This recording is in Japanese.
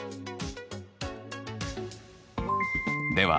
では